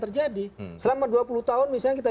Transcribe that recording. terjadi selama dua puluh tahun misalnya kita